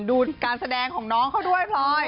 ดูการแสดงของน้องเขาด้วยพลอย